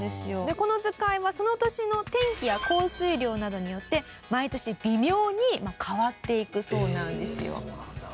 この図解はその年の天気や降水量などによって毎年微妙に変わっていくそうなんですよ。